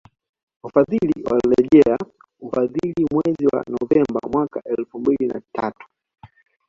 Wafadhili walirejelea ufadhili mwezi wa Novemba mwaka elfu mbili na tatu